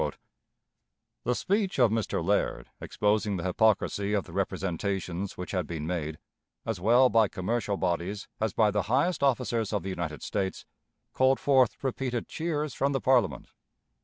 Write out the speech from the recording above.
The speech of Mr. Laird, exposing the hypocrisy of the representations which had been made, as well by commercial bodies as by the highest officers of the United States, called forth repeated cheers from the Parliament.